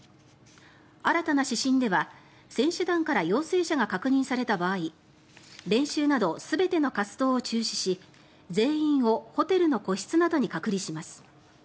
新たな指針では、選手団から陽性者が確認された場合練習など全ての活動を中止し全員をホテルの個室などに隔離します。